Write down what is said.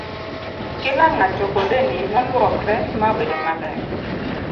kila ng'ato kondeni noluokre ma abedomaler